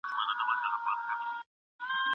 ملنډي وهل د ناپوهه خلګو کار دی.